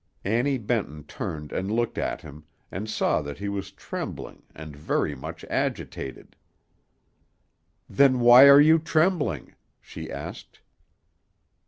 Annie Benton turned and looked at him, and saw that he was trembling and very much agitated. "Then why are you trembling?" she asked.